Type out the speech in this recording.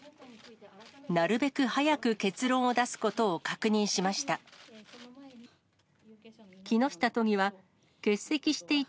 なるべく早く結論を出すことを確認しました。